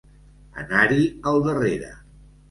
Anar-hi al darrere.